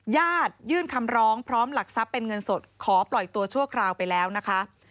ยื่นคำร้องพร้อมหลักทรัพย์เป็นเงินสดขอปล่อยตัวชั่วคราวไปแล้วนะคะ